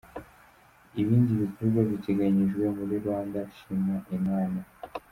Ibindi bikorwa biteganyijwe muri “Rwanda, Shima Imana!”.